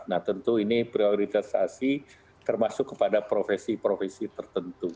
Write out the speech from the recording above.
nah tentu ini prioritasi termasuk kepada profesi profesi tertentu